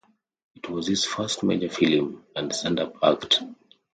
It was his first major film and stand up act.